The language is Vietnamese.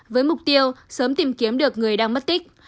với mục tiêu sớm tìm kiếm được người đang mất tích